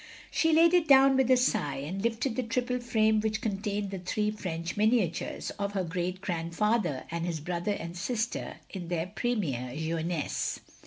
She laid it down with a sigh, and lifted the triple frame which contained the three French miniatures, of her great grandfather and his brother and sister in their premibre jeunesse.